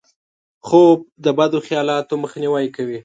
خوب د بدو خیالاتو مخنیوی کوي